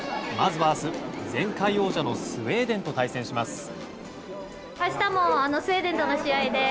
まずは明日、前回王者のスウェーデンと対戦します。